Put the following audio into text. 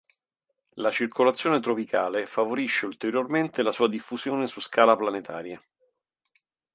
La circolazione tropicale favorisce ulteriormente la sua diffusione su scala planetaria.